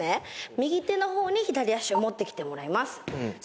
右手の方に左足をもってきてもらいます。